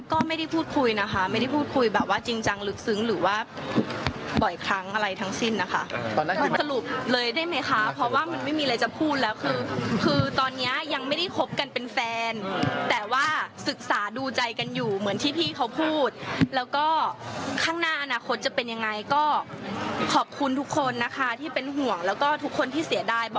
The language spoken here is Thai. ก็ไม่ได้พูดคุยนะคะไม่ได้พูดคุยแบบว่าจริงจังลึกซึ้งหรือว่าบ่อยครั้งอะไรทั้งสิ้นนะคะตอนแรกมันสรุปเลยได้ไหมคะเพราะว่ามันไม่มีอะไรจะพูดแล้วคือคือตอนนี้ยังไม่ได้คบกันเป็นแฟนแต่ว่าศึกษาดูใจกันอยู่เหมือนที่พี่เขาพูดแล้วก็ข้างหน้าอนาคตจะเป็นยังไงก็ขอบคุณทุกคนนะคะที่เป็นห่วงแล้วก็ทุกคนที่เสียดาย